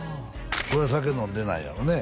これ酒飲んでないやろうね？